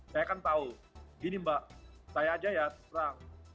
saya kan tahu gini mbak saya aja ya terang